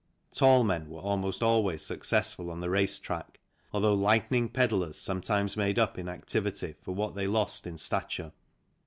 Tall men were almost always successful on the race track, although lightning pedallers sometimes made up in activity for what they lost in stature.